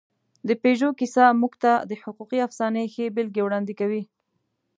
د پيژو کیسه موږ ته د حقوقي افسانې ښې بېلګې وړاندې کوي.